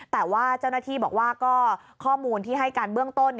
แต่ว่าเจ้าหน้าที่บอกว่าก็ข้อมูลที่ให้การเบื้องต้น